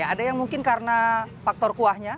ada yang mungkin karena faktor kuahnya